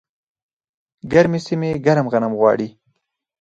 ګرمې سیمې ګرم غنم غواړي.